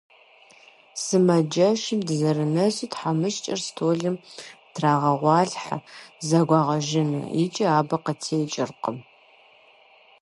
Сымаджэщым дызэрынэсу тхьэмыщкӀэр стӀолым трагъэгъуалъхьэ зэгуагъэжыну, икӀи абы къытекӀыркъым…